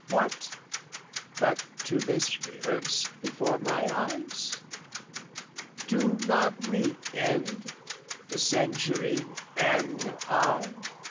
What but to this rehearsed before my eyes? Do not we end, the century and I?